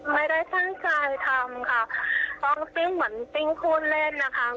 ไม่ได้จ้างกายทำครับ